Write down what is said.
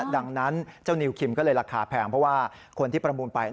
ดังนั้นเจ้านิวคิมก็เลยราคาแพงเพราะว่าคนที่ประมูลไป